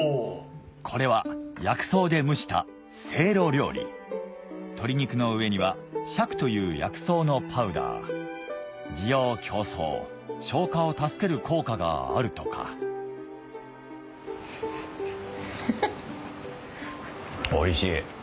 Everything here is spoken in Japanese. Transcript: これは薬草で蒸したせいろ料理鶏肉の上にはシャクという薬草のパウダー滋養強壮消化を助ける効果があるとかおいしい。